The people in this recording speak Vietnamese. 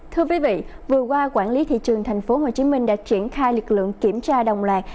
thưa quý vị vừa qua quản lý thị trường thành phố hồ chí minh đã triển khai lực lượng kiểm tra đồng loạt